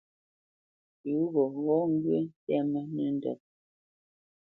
Pʉ̌ gho ghɔ́ ŋgyə̂ ntɛ́mə́ nəndə́t.